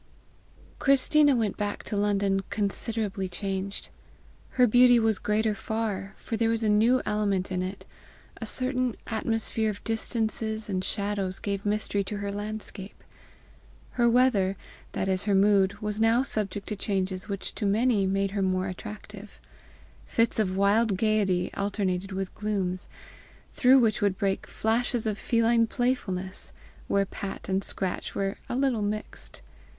Christina went back to London considerably changed. Her beauty was greater far, for there was a new element in it a certain atmosphere of distances and shadows gave mystery to her landscape. Her weather, that is her mood, was now subject to changes which to many made her more attractive. Fits of wild gaiety alternated with glooms, through which would break flashes of feline playfulness, where pat and scratch were a little mixed.